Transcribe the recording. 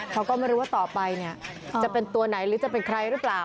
เขาก็ไม่รู้ว่าต่อไปเนี่ยจะเป็นตัวไหนหรือจะเป็นใครหรือเปล่า